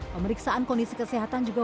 pemeriksaan kondisi kesehatan juga